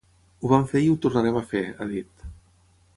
Ho vam fer i ho tornarem a fer, ha dit.